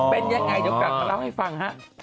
เป็นยังไงเดี๋ยวกลับมาเล่าให้ฟังฮะ